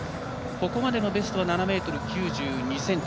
ここまでのベストは７ｍ９２ｃｍ。